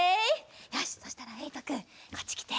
よしそしたらえいとくんこっちきて。